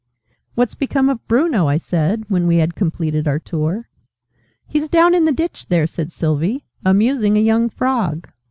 "What's become of Bruno?" I said, when we had completed our tour. "He's down in the ditch there," said Sylvie, "amusing a young Frog."